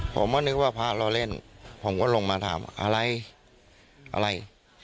ผมก็นึกว่าพระเราเล่นผมก็ลงมาถามอะไรอะไร